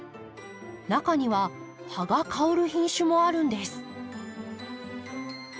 中には葉が香る品種もあるんです。